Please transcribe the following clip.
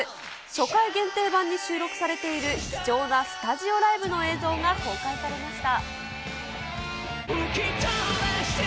初回限定盤に収録されている、貴重なスタジオライブの映像が公開されました。